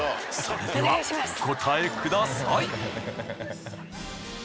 それではお答えください。